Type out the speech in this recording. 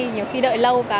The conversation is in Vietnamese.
nhiều khi đợi lâu cả